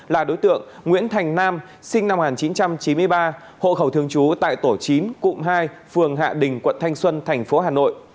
là đối tượng nguyễn thành nam sinh năm một nghìn chín trăm chín mươi ba hộ khẩu thường trú tại tổ chín cụm hai phường hạ đình quận thanh xuân thành phố hà nội